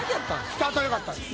スタートよかったんです。